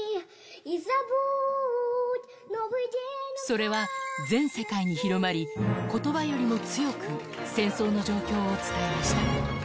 それは全世界に広まり、ことばよりも強く戦争の状況を伝えました。